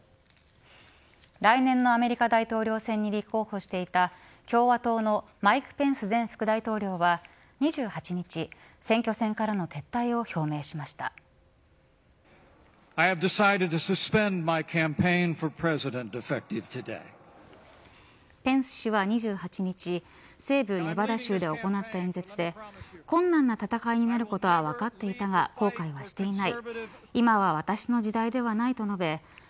来年のアメリカ大統領選に立候補していた共和党のマイク・ペンス前副大統領は２８日選挙戦からの撤退をペンス氏は２８日西部ネバダ州で行った演説で困難な戦いになることは分かっていたが後悔はしていない